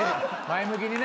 前向きに。